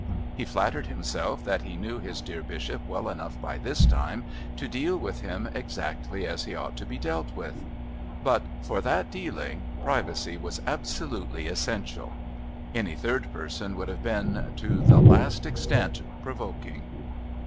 He flattered himself that he knew his dear Bishop well enough by this time to deal with him exactly as he ought to be dealt with. But, for that dealing, privacy was absolutely essential. Any third person would have been, to the last extent, provoking.